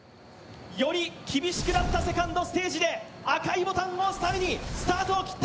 より厳しくなったセカンドステージで赤いボタンを押すためにスタートを切った。